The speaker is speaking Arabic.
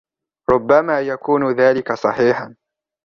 ربما يكون ذلك صحيحا.